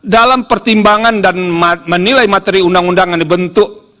dalam pertimbangan dan menilai materi undang undang yang dibentuk